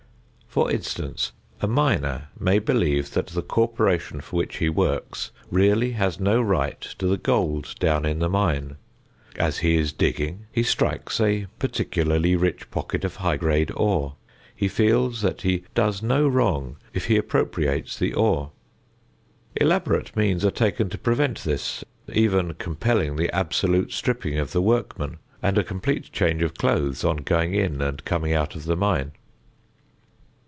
For instance, a miner may believe that the corporation for which he works really has no right to the gold down in the mine. As he is digging he strikes a particularly rich pocket of high grade ore. He feels that he does no wrong if he appropriates the ore. Elaborate means are taken to prevent this, even compelling the absolute stripping of the workman, and a complete change of clothes on going in and coming out of the mine.